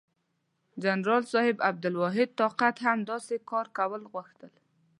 جنرال صاحب عبدالواحد طاقت هم داسې کار کول غوښتل.